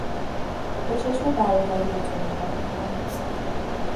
به چشم برادری به تو نگاه میکنم.